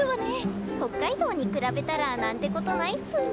北海道に比べたら何てことないっす。